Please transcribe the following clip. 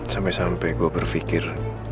sampai sampai gue berpikir